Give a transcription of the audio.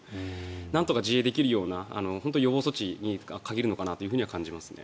なんとか自衛できるような予防措置に限るのかなというふうには感じますね。